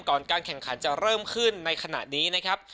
การแข่งขันจะเริ่มขึ้นในขณะนี้นะครับ